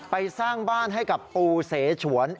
สร้างบ้านให้กับปูเสฉวน